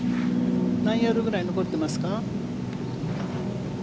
何ヤードぐらい残っていますか？